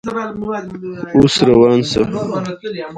د افغانستان طبیعت له ښارونه څخه جوړ شوی دی.